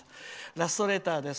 ラストレターです。